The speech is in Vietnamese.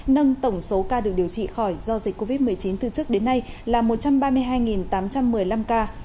nâng tổng số ca được điều trị khỏi do dịch covid một mươi chín từ trước đến nay là một trăm ba mươi hai tám trăm một mươi năm ca